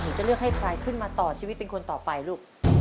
จะเลือกให้ใครขึ้นมาต่อชีวิตเป็นคนต่อไปลูก